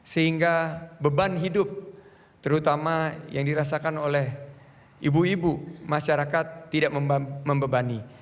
sehingga beban hidup terutama yang dirasakan oleh ibu ibu masyarakat tidak membebani